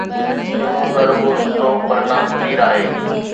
جنون نه رڳو سٺو پر ناگزير آهي.